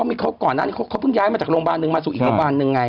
มีเขาก่อนหน้านี้เขาเพิ่งย้ายมาจากโรงพยาบาลหนึ่งมาสู่อีกโรงพยาบาลหนึ่งไง